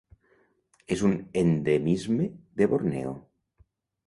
És un endemisme de Borneo.